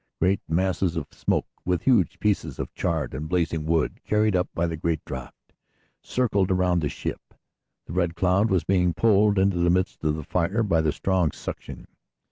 Great masses of smoke, with huge pieces of charred and blazing wood carried up by the great draught, circled around the ship. The Red Cloud was being pulled into the midst of the fire by the strong suction.